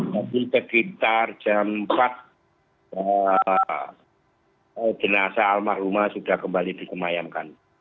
tapi sekitar jam empat jenazah almarhumah sudah kembali di kemayang